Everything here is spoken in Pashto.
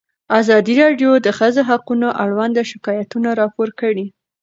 ازادي راډیو د د ښځو حقونه اړوند شکایتونه راپور کړي.